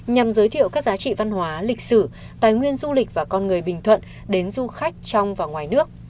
nhằm giới thiệu các giá trị văn hóa lịch sử tài nguyên du lịch và con người bình thuận đến du khách trong và ngoài nước